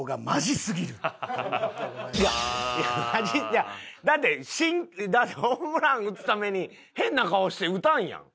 いやマジいやだってだってホームラン打つために変な顔して打たんやん。